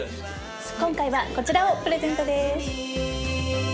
今回はこちらをプレゼントです。